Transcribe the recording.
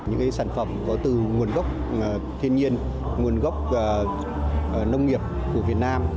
những sản phẩm có từ nguồn gốc thiên nhiên nguồn gốc nông nghiệp của việt nam